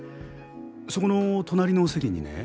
そこの隣の席にね。